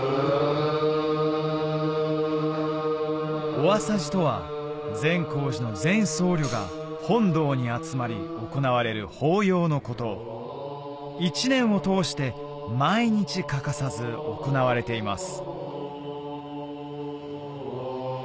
お朝事とは善光寺の全僧侶が本堂に集まり行われる法要のこと一年を通して毎日欠かさず行われています